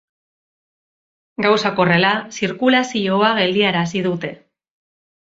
Gauzak horrela, zirkulazioa geldiarazi dute.